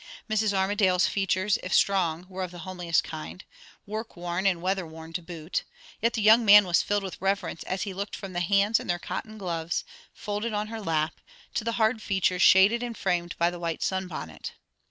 Mrs. Armadale's features, if strong, were of the homeliest kind; work worn and weather worn, to boot; yet the young man was filled with reverence as he looked from the hands in their cotton gloves, folded on her lap, to the hard features shaded and framed by the white sun bonnet.